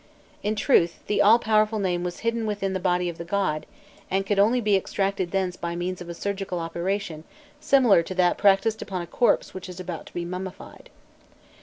In truth, the all powerful name was hidden within the body of the god, and could only be extracted thence by means of a surgical operation similar to that practised upon a corpse which is about to be mummified.